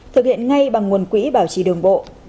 thực hiện ngay bằng nguồn quỹ bảo trì đường bộ